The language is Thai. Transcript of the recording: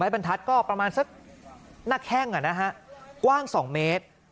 ๑ไม้บรรทัดก็ประมาณสักหนักแห้งนะฮะกว้าง๒เมตร